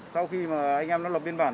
sau khi mà anh em nó lập biên bản